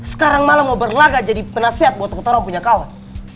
sekarang malah mau berlagak jadi penasehat buat kotorom punya kawan